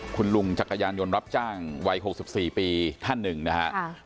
คุณลุงจักรยานยนต์รับจ้างวัยหกสิบสี่ปีท่านหนึ่งครับ